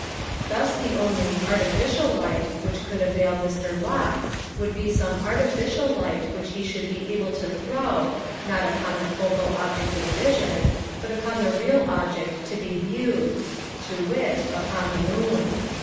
Thus the only "artificial" light which could avail Mr. Locke, would be some artificial light which he should be able to throw—not upon the "focal object of vision," but upon the real object to be viewed—to wit: upon the moon.